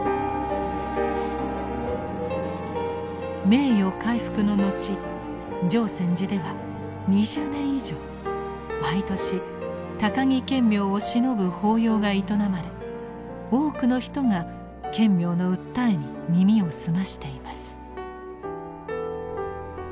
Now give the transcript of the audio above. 名誉回復の後淨泉寺では２０年以上毎年高木顕明をしのぶ法要が営まれ多くの人が顕明の訴えに耳を澄ましています。